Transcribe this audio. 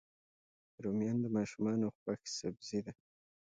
رومیان د ماشومانو خوښ سبزي ده